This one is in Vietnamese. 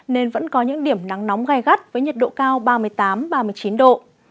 nên vẫn có những điểm nắng nóng gai gắt với nhiệt độ cao ba mươi tám ba mươi chín độ